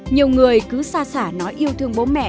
nhiều người cứ xa xả nói yêu thương bố mẹ